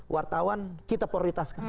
wartawan kita prioritaskan